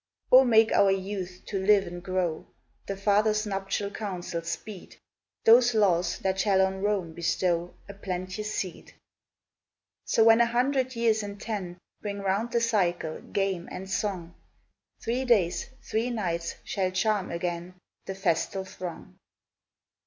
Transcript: O make our youth to live and grow! The fathers' nuptial counsels speed, Those laws that shall on Rome bestow A plenteous seed! So when a hundred years and ten Bring round the cycle, game and song Three days, three nights, shall charm again The festal throng.